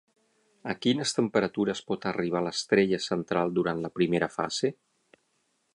A quines temperatures pot arribar l'estrella central durant la primera fase?